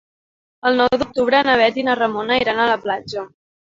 El nou d'octubre na Bet i na Ramona iran a la platja.